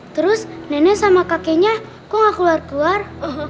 terus nenek sama kakenya kok ga keluar keluar